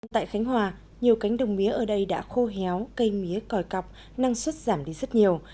tại khánh hòa nhiều cánh đồng mía ở đây đã khô héo cây mía còi cọc năng suất giảm đi rất nhiều